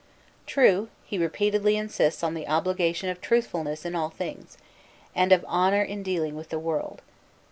True, he repeatedly insists on the obligation of truthfulness in all things, and of, honor in dealing with the world.